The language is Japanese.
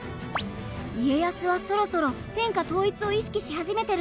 家康はそろそろ天下統一を意識し始めてるんですか？